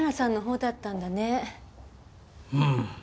うん。